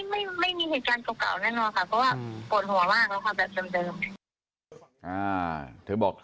ไม่มีเหตุการณ์เก่าแน่นอนค่ะเพราะว่าปวดหัวมากแล้วค่ะแบบเดิม